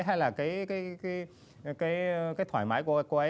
hay là cái thoải mái của cô ấy